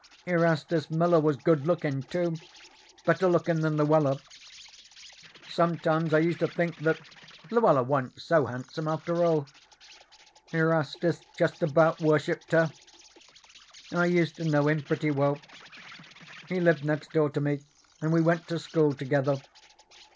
Erastus Miller was good lookin', too, better lookin' than Luella. Sometimes I used to think that Luella wa'n't so handsome after all. Erastus just about worshiped her. I used to know him pretty well. He lived next door to me, and we went to school together.